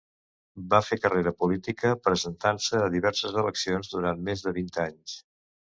Va fer carrera política presentant-se a diverses eleccions durant més de vint anys.